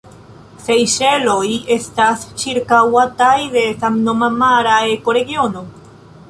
Sejŝeloj estas ĉirkaŭataj de samnoma mara ekoregiono.